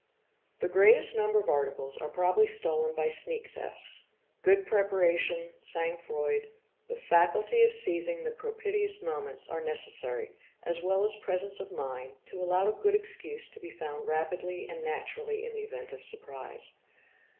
The greatest number of articles are probably stolen by sneak thefts. Good preparation, sang froid, the faculty of seizing the propitious moment are necessary, aS well as presence of mind, to allow a good excuse to be found rapidly and naturally in the event of surprise.